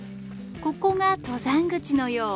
ここが登山口のよう。